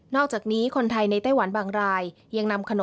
นอกจากนี้คนไทยในไต้หวันบางราย